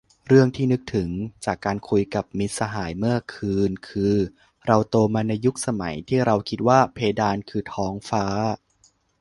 เรื่องที่นึกถึงจากการคุยกับมิตรสหายเมื่อคืนคือ เราโตมาในยุคสมัยที่เราคิดว่าเพดานคือท้องฟ้า